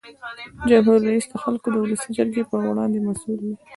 جمهور رئیس د خلکو او ولسي جرګې په وړاندې مسؤل دی.